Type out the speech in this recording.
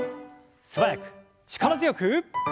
素早く力強く！